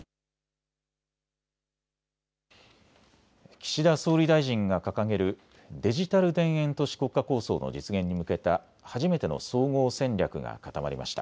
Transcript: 岸田総理大臣が掲げるデジタル田園都市国家構想の実現に向けた初めての総合戦略が固まりました。